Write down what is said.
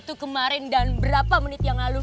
itu kemarin dan berapa menit yang lalu